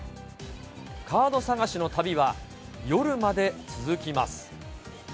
カード探しの旅は夜まで続きます。